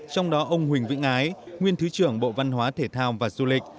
trong đó ông huỳnh vĩnh ái nguyên thứ trưởng bộ văn hóa thể thao và du lịch